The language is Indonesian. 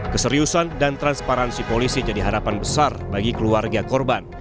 keseriusan dan transparansi polisi jadi harapan besar bagi keluarga korban